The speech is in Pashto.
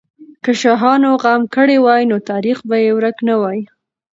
که شاهانو غم کړی وای، نو تاریخ به یې ورک نه وای.